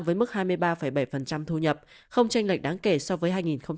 với mức hai mươi ba bảy thu nhập không tranh lệch đáng kể so với hai nghìn một mươi tám